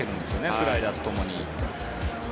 スライダーとともに。